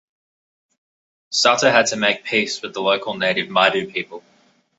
Sutter had to make peace with the local native Maidu people.